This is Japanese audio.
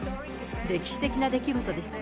歴史的な出来事です。